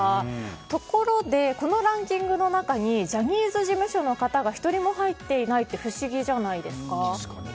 ところで、このランキングの中にジャニーズ事務所の方が１人も入っていないって不思議じゃないですか。